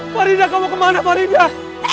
faridah kau mau kemana faridah